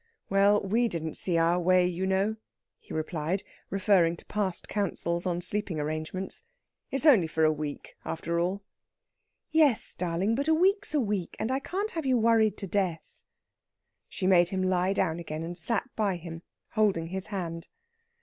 "Well, we didn't see our way, you know," he replied, referring to past councils on sleeping arrangements. "It's only for a week, after all." "Yes, darling; but a week's a week, and I can't have you worried to death." She made him lie down again, and sat by him, holding his hand.